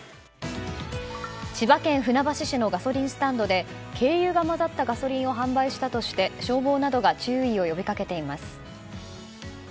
千葉県船橋市のガソリンスタンドで軽油が混ざったガソリンを販売したとして消防などが注意を呼び掛けています。